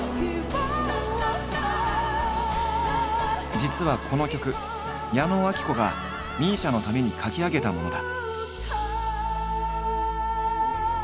実はこの曲矢野顕子がＭＩＳＩＡのために書き上げたものだ。